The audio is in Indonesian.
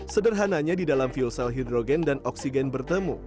sederhananya di dalam fuel cell hidrogen dan oksigen bertemu